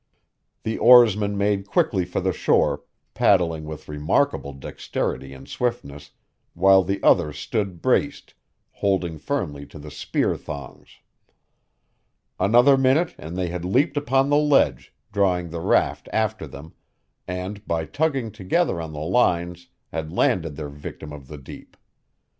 The oarsman made quickly for the shore, paddling with remarkable dexterity and swiftness, while the other stood braced, holding firmly to the spear thongs. Another minute and they had leaped upon the ledge, drawing the raft after them, and, by tugging together on the lines, had landed their victim of the deep.